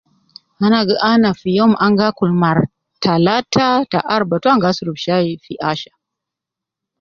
Nana gi ana fi youm gi akul mara talata ta aruba to an gi asurub chai fi ashir